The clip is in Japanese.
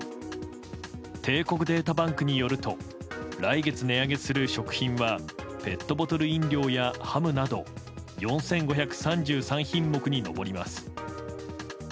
帝国データバンクによると来月、値上げする食品はペットボトル飲料やハムなど４５３３品目に上ります。